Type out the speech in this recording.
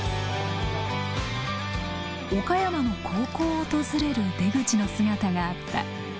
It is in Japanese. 岡山の高校を訪れる出口の姿があった。